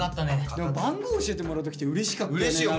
でも番号教えてもらう時ってうれしかったよね。